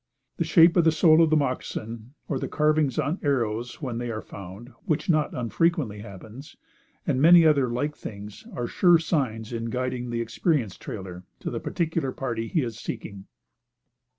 The shape of the sole of the moccasin, or the carvings on arrows when they are found, which not unfrequently happens, and many other like things, are sure signs in guiding the experienced trailer to the particular party he is seeking.